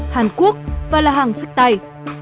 hàn quốc và là hàng sách tay